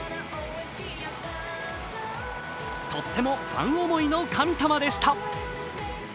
とってもファン思いの神様でした。